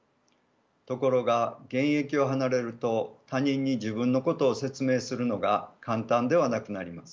ところが現役を離れると他人に自分のことを説明するのが簡単ではなくなります。